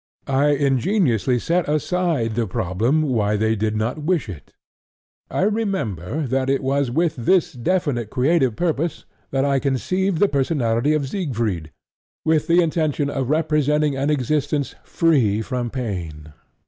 I ingeniously set aside the problem why they did not wish it. I remember that it was with this definite creative purpose that I conceived the personality of Siegfried, with the intention of representing an existence free from pain."